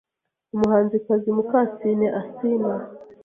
Umuhanzikazi Mukasine Asinah